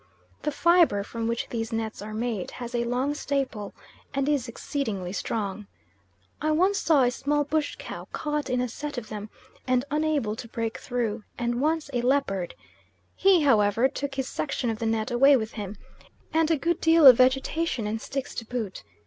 The fibre from which these nets are made has a long staple, and is exceedingly strong. I once saw a small bush cow caught in a set of them and unable to break through, and once a leopard; he, however, took his section of the net away with him, and a good deal of vegetation and sticks to boot.